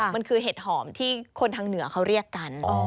มันคือเห็ดหอมที่คนทางเหนือเขาเรียกกัน